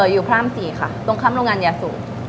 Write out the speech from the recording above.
อยู่พระราม๔ค่ะตรงข้ามโรงงานยาสูบ